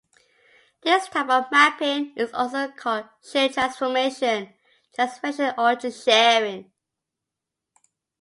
This type of mapping is also called shear transformation, transvection, or just shearing.